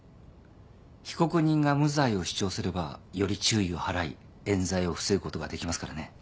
被告人が無罪を主張すればより注意を払い冤罪を防ぐことができますからね。